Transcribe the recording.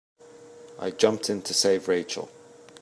I jumped in to save Rachel.